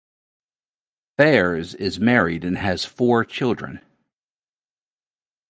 Fares is married and has four children.